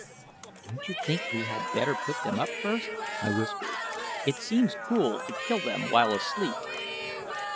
"Don't you think we had better put them up first?" I whispered. "It seems cruel to kill them while asleep."